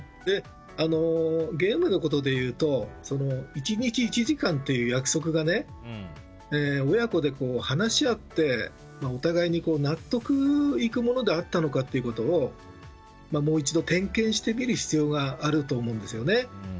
ゲームのことでいうと１日１時間という約束が親子で話し合ってお互いに納得いくものであったのかということをもう一度点検してみる必要があると思うんですね。